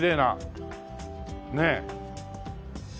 ねえ。